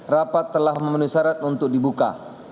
rapat telah memenuhi syarat untuk dibuka